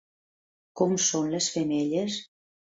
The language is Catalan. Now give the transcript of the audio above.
Com són les femelles?